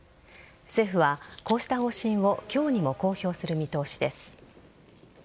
政府はこうした方針を今日にも公表する見通しです。